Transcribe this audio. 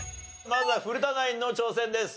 まずは古田ナインの挑戦です。